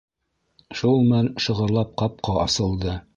Шул мәл шығырлап ҡапҡа асылды.